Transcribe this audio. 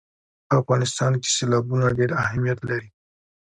په افغانستان کې سیلابونه ډېر اهمیت لري.